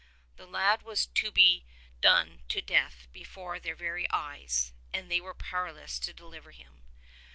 The lad was to be done to death before their very eyes, and they were powerless to deliver him.